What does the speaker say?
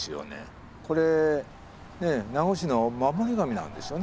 これ名護市の守り神なんですよね。